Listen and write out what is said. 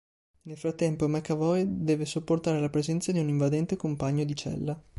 Nel frattempo McAvoy deve sopportare la presenza di un invadente compagno di cella.